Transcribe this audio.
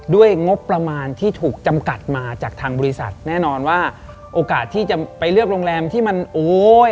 ด้วยงบประมาณที่ถูกจำกัดมาจากทางบริษัทแน่นอนว่าโอกาสที่จะไปเลือกโรงแรมที่มันโอ้ย